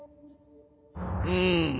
うん。